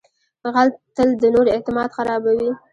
غل تل د نورو اعتماد خرابوي